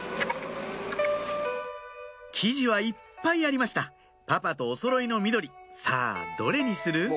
生地はいっぱいありましたパパとおそろいの緑さぁどれにする？